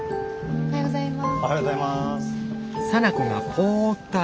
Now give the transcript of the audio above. おはようございます。